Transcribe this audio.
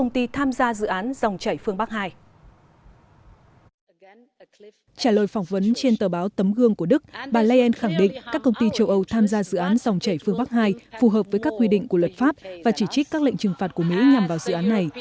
trả lời phỏng vấn trên tờ báo tấm gương của đức bà leyen khẳng định các công ty châu âu tham gia dự án dòng chảy phương bắc hai phù hợp với các quy định của luật pháp và chỉ trích các lệnh trừng phạt của mỹ nhằm vào dự án này